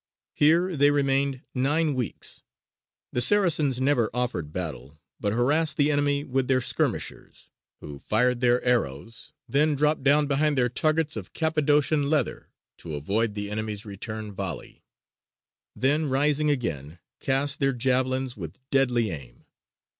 Here they remained nine weeks. The Saracens never offered battle, but harassed the enemy with their skirmishers, who fired their arrows, then dropped down behind their targets of Cappadocian leather to avoid the enemy's return volley; then, rising again, cast their javelins with deadly aim.